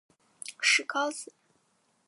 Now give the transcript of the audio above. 石皋子。